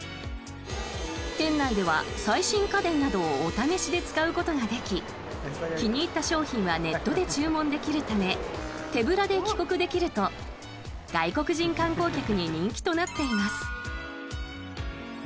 店内では最新家電などをお試しで使うことができ気に入った商品はネットで注文できるため手ぶらで帰国できると外国人観光客に人気となっています。